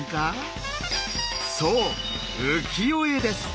そう「浮世絵」です。